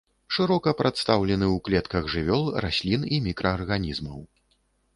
Шырока прадстаўлены ў клетках жывёл, раслін і мікраарганізмаў.